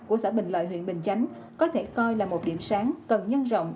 của xã bình lợi huyện bình chánh có thể coi là một điểm sáng cần nhân rộng